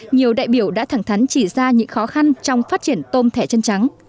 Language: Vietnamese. nhiều đại biểu đã thẳng thắn chỉ ra những khó khăn trong phát triển tôm thẻ chân trắng